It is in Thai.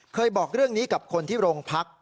บอกเรื่องนี้กับคนที่โรงพัก